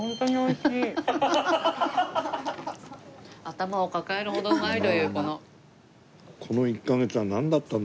頭を抱えるほどうまいというこの。